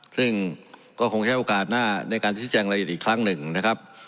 ซึ่งก็คงใช้โอกาสหน้าในการที่แจ้งรายละเอียดอีกครั้งหนึ่งนะครับ